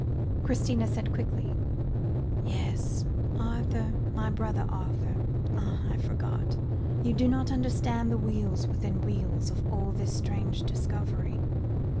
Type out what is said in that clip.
Christina said quickly. "Yes, Arthur, my brother Arthur. Ah! I forgot. You do not understand the wheels within wheels of all this strange discovery.